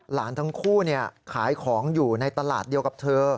หลานทั้งคู่ขายของอยู่ในตลาดเดียวกับเธอ